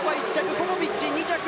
ポポビッチ、２着。